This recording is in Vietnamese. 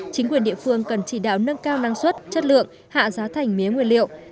chính quyền địa phương cần chỉ đạo nâng cao năng suất chất lượng hạ giá thành mía nguyên liệu